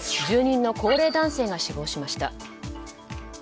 住人の高齢男性が死亡しました。